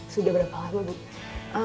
sudah berapa lama